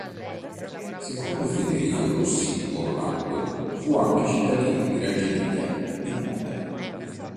Secondo Federico Rossi Orlando fu anche cittadino di Reggio Emilia e Modena.